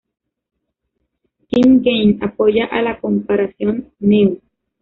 Tim Gane apoya a la comparación: "Neu!